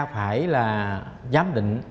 phải là giám định